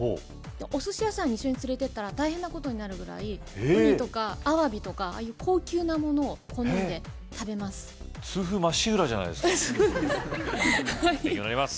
おすし屋さんに連れてったら大変なことになるぐらいウニとかアワビとかああいう高級なものを好んで食べます痛風まっしぐらじゃないですかはい勉強になります